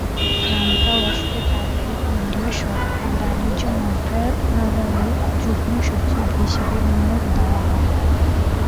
নামকাওয়াস্তে তাঁকে কেন্দ্রীয় সরকারের বাণিজ্য মন্ত্রণালয়ে যুগ্ম সচিব হিসেবে নিয়োগ দেওয়া হয়।